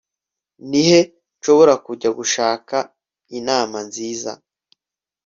ni he nshobora kujya gushaka inama nziza